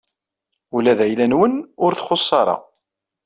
Ula d ayla-nwen ur txuṣṣ ara.